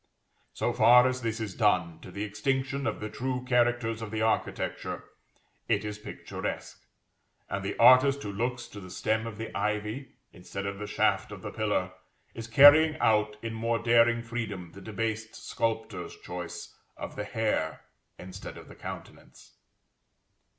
So far as this is done, to the extinction of the true characters of the architecture, it is picturesque, and the artist who looks to the stem of the ivy instead of the shaft of the pillar, is carrying out in more daring freedom the debased sculptor's choice of the hair instead of the countenance.